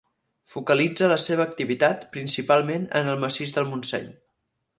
Focalitza la seva activitat principalment en el Massís del Montseny.